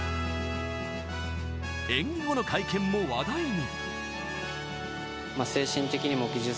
演技後の会見も話題に。